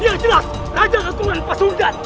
yang jelas raja keturunan pasundan